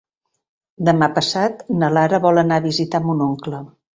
Demà passat na Lara vol anar a visitar mon oncle.